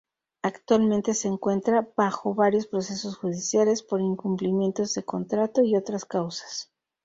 Actualmente se encuentra bajo varios procesos judiciales por incumplimientos de contrato y otras causas.